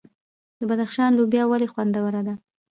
د بدخشان لوبیا ولې خوندوره ده؟